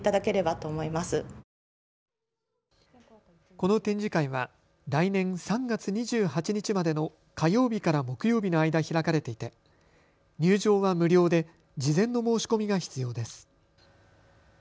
この展示会は来年３月２８日までの火曜日から木曜日の間開かれていて入場は無料で事前の申し込みが必要です。